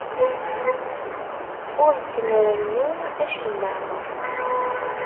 Ur d-nrennu acemma.